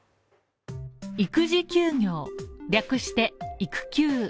育児休業、略して育休。